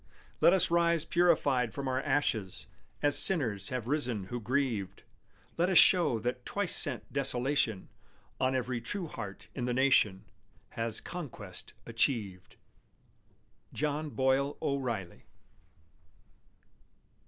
Let us rise purified from our ashes As sinners have risen who grieved; Let us show that twice sent desolation On every true heart in the nation Has conquest achieved. JOHN BOYLE O'REILLY.